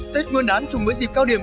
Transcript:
tết nguyên đán trùng với dịp cao điểm